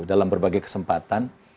dalam berbagai kesempatan